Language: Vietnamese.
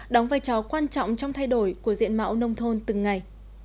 đóng vai trò quan trọng trong thay đổi của diện mạo nông thôn từng ngày